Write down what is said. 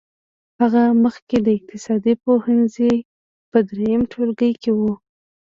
هغه مخکې د اقتصاد پوهنځي په دريم ټولګي کې وه.